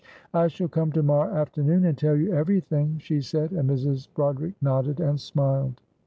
"I shall come to morrow afternoon and tell you everything," she said, and Mrs. Broderick nodded and smiled.